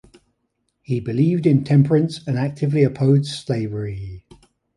He believed in temperance and actively opposed slavery.